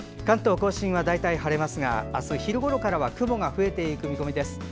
関東・甲信は大体晴れますがあす昼ごろからは雲が増えていく見込みです。